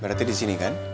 berarti di sini kan